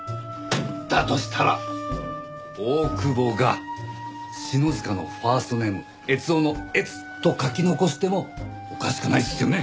だとしたら大久保が篠塚のファーストネーム悦雄の「えつ」と書き残してもおかしくないっすよね？